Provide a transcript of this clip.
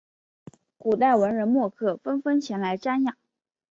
古代文人墨客纷纷前来瞻仰。